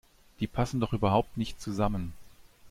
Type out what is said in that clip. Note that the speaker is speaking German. Die passen doch überhaupt nicht zusammen!